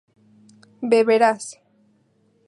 beberás